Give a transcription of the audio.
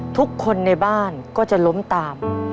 ทุกคนในบ้านก็จะล้มตาม